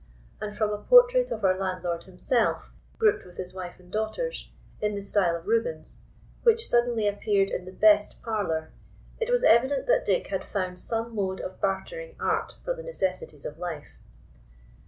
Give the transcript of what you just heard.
And from a portrait of our landlord himself, grouped with his wife and daughters, in the style of Rubens, which suddenly appeared in the best parlour, it was evident that Dick had found some mode of bartering art for the necessaries of life.